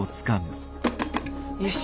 よし。